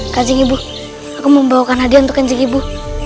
kancing ibu aku mau membawakan hadiah untuk kancing ibu